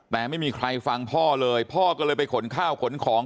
แต่ไม่มีใครฟังพ่อเลยพ่อก็เลยไปขนข้าวขนของ